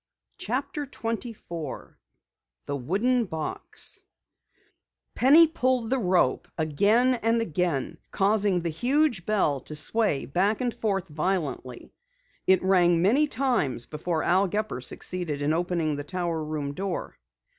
CHAPTER 24 THE WOODEN BOX Penny pulled the rope again and again, causing the huge bell to sway back and forth violently. It rang many times before Al Gepper succeeded in opening the tower room door.